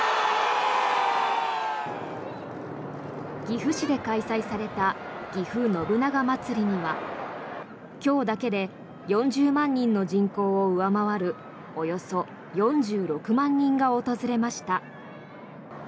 岐阜市で開催されたぎふ信長まつりには今日だけで４０万人の人口を上回るおよそ４６万人が訪れました。